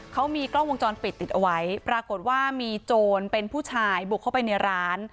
เขามีกล้องวงจรปิดติดเอาไว้ปรากฏว่ามีโจรเป็นผู้ชายบุกเข้าไปในร้าน